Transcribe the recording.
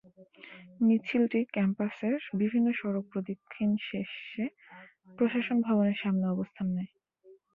মিছিলটি ক্যাম্পাসের বিভিন্ন সড়ক প্রদক্ষিণ শেষে প্রশাসন ভবনের সামনে অবস্থান নেয়।